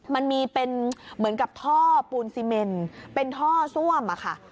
มันมีเป็นเหมือนกับท่อปูนซีเมนเป็นท่อซ่วมอะค่ะ